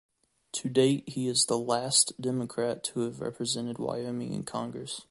To date, he is the last Democrat to have represented Wyoming in Congress.